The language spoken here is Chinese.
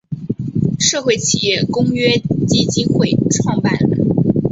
社会企业公约基金会创办人。